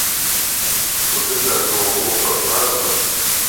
Você já viu algum fantasma?